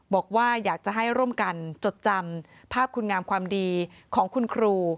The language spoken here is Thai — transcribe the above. บอกว่าอยากจะให้ร่วมกันจดจำภาพคุณงามความดีของคุณครู